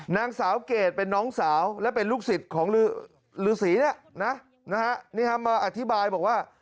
นางสาวเกรดเป็นน้องสาวและเป็นลูกศิษย์ของฤษีเนี่ยนะมาอธิบายบอกว่า